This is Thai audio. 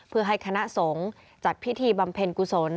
เพื่อให้คณะสงฆ์จัดพิธีบำเพ็ญกุศล